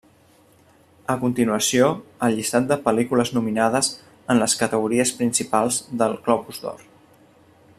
A continuació, el llistat de pel·lícules nominades en les categories principals del Globus d'Or.